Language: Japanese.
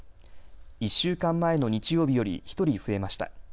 １週間前の日曜日より１人増えました。